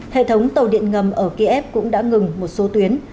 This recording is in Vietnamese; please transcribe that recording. hệ thống tàu điện ngầm ở kiev cũng đã ngừng một số tuyến